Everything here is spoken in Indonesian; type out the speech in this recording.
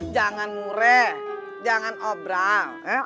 jangan mureh jangan obrol